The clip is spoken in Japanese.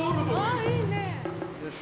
あいいね。